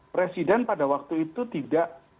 presiden pada waktu itu tidak